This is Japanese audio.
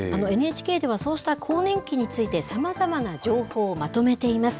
ＮＨＫでは、そうした更年期について、さまざまな情報をまとめています。